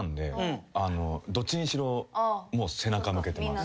どっちにしろ背中向けてます。